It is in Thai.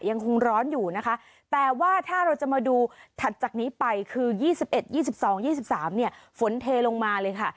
ยังคงร้อนอยู่นะคะแต่ว่าถ้าเราจะมาดูถัดจากนี้ไปคือ๒๑๒๒๒๓เนี่ยฝนเทลงมาเลยค่ะ